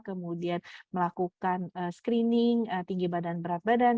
kemudian melakukan screening tinggi badan berat badan